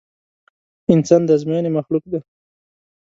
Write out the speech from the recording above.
انسان د ازموينې مخلوق دی.